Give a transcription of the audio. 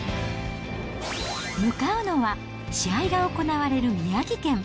向かうのは試合が行われる宮城県。